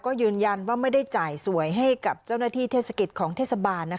ก็ยืนยันว่าไม่ได้จ่ายสวยให้กับเจ้าหน้าที่เทศกิจของเทศบาล